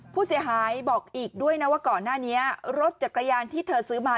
ผู้เสียหายบอกอีกด้วยนะว่าก่อนหน้านี้รถจักรยานที่เธอซื้อมา